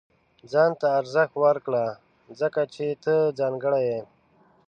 • ځان ته ارزښت ورکړه، ځکه چې ته ځانګړی یې.